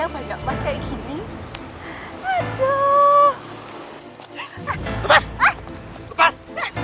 enggak telah kembalikan dina pada asli